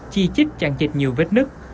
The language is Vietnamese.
chì chích chặn chịch nhiều vết nứt